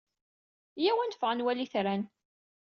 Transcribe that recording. Iyyaw ad neffeɣ ad nwali itran.